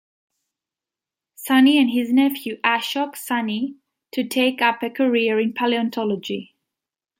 Sahni and his nephew Ashok Sahni to take up a career in paleontology.